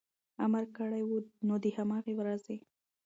امر کړی و، نو د هماغې ورځې